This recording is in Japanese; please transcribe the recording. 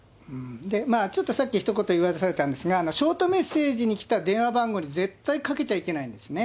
ちょっとさっきひと言、言い忘れたんですが、ショートメッセージに来た電話番号に絶対かけちゃいけないんですね。